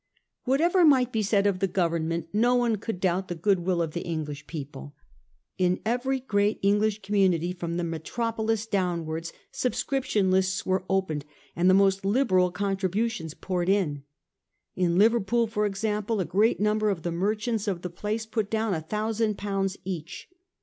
Whatever might be said of the Government, no one could doubt the good will of the English people. In every great English community from the metro polis downwards subscription lists were opened and the most liberal contributions poured in. In Liver pool, for example, a great number of the merchants of the place put down a thousand pounds each.